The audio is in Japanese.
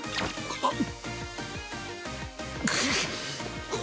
あっ。